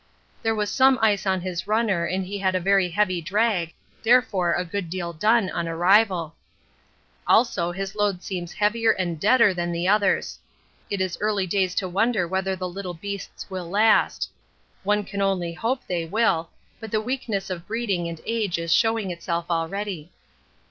There was some ice on his runner and he had a very heavy drag, therefore a good deal done on arrival; also his load seems heavier and deader than the others. It is early days to wonder whether the little beasts will last; one can only hope they will, but the weakness of breeding and age is showing itself already.